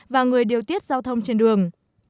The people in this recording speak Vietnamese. và người điều tiết giao thông trên đường